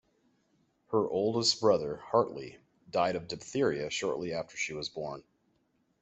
Her oldest brother, Hartley, died of diphtheria shortly after she was born.